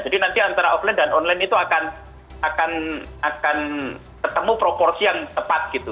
nanti antara offline dan online itu akan ketemu proporsi yang tepat gitu